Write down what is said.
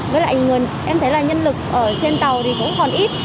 với lại em thấy là nhân lực ở trên tàu thì cũng còn ít